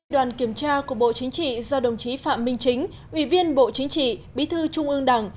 đoàn kiểm tra của bộ chính trị do đồng chí phạm minh chính ủy viên bộ chính trị bí thư trung ương đảng